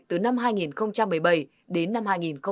từ năm hai nghìn một mươi bảy đến năm hai nghìn hai mươi một